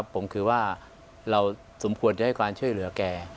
ผมคือว่าเราสมควรจะให้ความช่วยเหลือแก